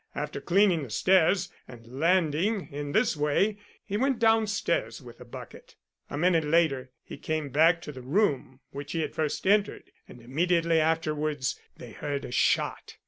After cleaning the stairs and landing in this way, he went downstairs with the bucket. A minute later he came back to the room which he had first entered, and immediately afterwards they heard a shot.